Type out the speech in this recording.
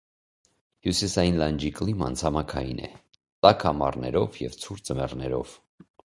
Հյուսիսային լանջի կլիման ցամաքային է՝ տաք ամառներով և ցուրտ ձմեռներով։